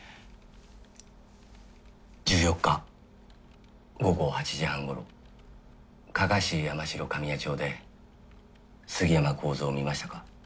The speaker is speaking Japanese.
１４日午後８時半ごろ加賀市山代上野町で杉山孝三を見ましたか？